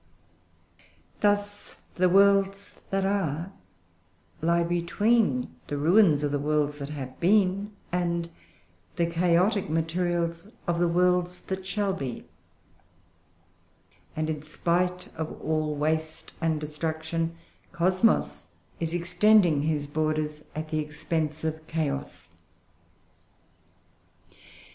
Thus the worlds that are, lie between the ruins of the worlds that have been, and the chaotic materials of the worlds that shall be; and in spite of all waste and destruction, Cosmos is extending his borders at the expense of Chaos.